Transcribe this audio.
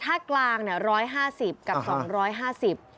ท่ากลาง๑๕๐กับ๒๕๐